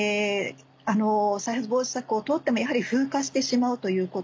再発防止策を取ってもやはり風化してしまうということ。